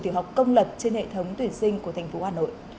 tiểu học công lập trên hệ thống tuyển sinh của thành phố hà nội